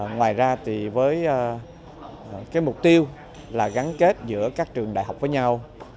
ngoài ra thì với mục tiêu là gắn kết giữa các trường đại học với nhau